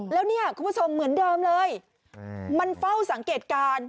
แล้วเนี่ยคุณผู้ชมเหมือนเดิมเลยมันเฝ้าสังเกตการณ์